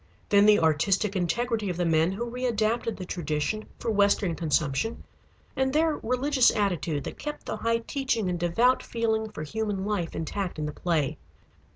Then the artistic integrity of the men who readapted the tradition for western consumption, and their religious attitude that kept the high teaching and devout feeling for human life intact in the play.